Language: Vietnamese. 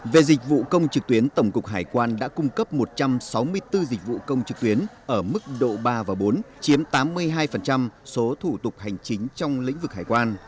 về dịch vụ công trực tuyến tổng cục hải quan đã cung cấp một trăm sáu mươi bốn dịch vụ công trực tuyến ở mức độ ba và bốn chiếm tám mươi hai số thủ tục hành chính trong lĩnh vực hải quan